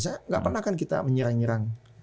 saya gak pernah kan kita menyerang nyerang